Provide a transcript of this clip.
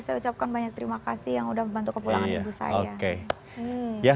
saya ucapkan banyak terima kasih yang udah membantu kepulangan ibu saya